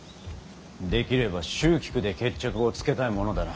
できれば蹴鞠で決着をつけたいものだな。